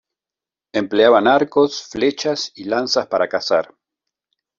Empleaban arcos, flechas y lanzas para cazar.